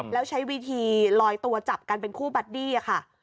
แล้วใช้วิธีลอยตัวจับกันเป็นคู่บัดดี้ค่ะ